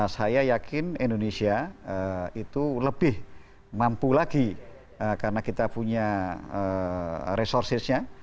saya yakin indonesia itu lebih mampu lagi karena kita punya resourcesnya